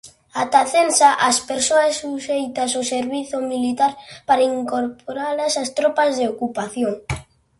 Ata censa ás persoas suxeitas ó servizo militar para incorporalas ás tropas de ocupación.